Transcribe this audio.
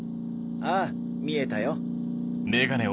ああ見えたよ。